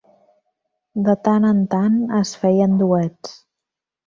De tant en tant es feien duets.